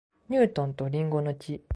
ニュートンと林檎の木